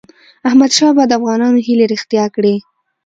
احمدشاه بابا د افغانانو هیلې رښتیا کړی.